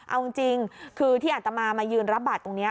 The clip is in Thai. เอาจริงคือที่อัตมามายืนรับบัตรตรงนี้